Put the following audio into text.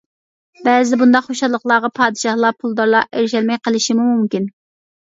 بەزىدە بۇنداق خۇشاللىقلارغا پادىشاھلار، پۇلدارلار ئېرىشەلمەي قېلىشىمۇ مۇمكىن.